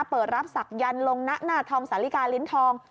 เปิดรับศักยันต์ลงณหน้าทองสาลิกาลิ้นทอง